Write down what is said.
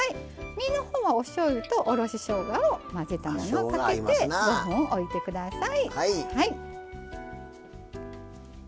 身のほうはおしょうゆとおろししょうがを混ぜたものをかけて５分おいてください。